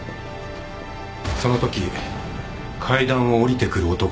そのとき階段を下りてくる男とぶつかった。